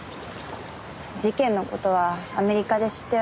事件の事はアメリカで知って驚きました。